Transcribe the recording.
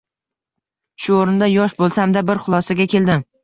Shu o‘rinda yosh bo‘lsam-da bir xulosaga keldim.